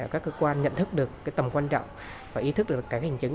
các cơ quan nhận thức được tầm quan trọng và ý thức được cải cách hình chính